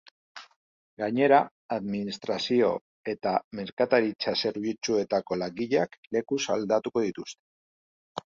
Gainera, administrazio eta merkataritza zerbitzuetako langileak lekuz aldatuko dituzte.